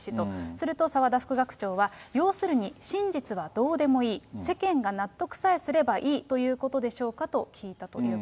すると澤田副学長は、要するに、真実はどうでもいい、世間が納得さえすればいいということでしょうかと聞いたというこ